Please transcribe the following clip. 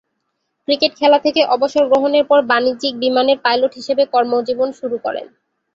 Cricket খেলা থেকে অবসর গ্রহণের পর বাণিজ্যিক বিমানের পাইলট হিসেবে কর্মজীবন শুরু করেন।